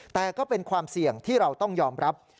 แต่ก็เป็นความเสี่ยงที่เราต้องยอมรับ